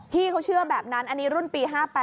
พี่เขาเชื่อแบบนั้นอันนี้รุ่นปี๕๘